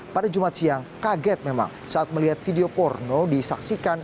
pada jumat siang kaget memang saat melihat video porno disaksikan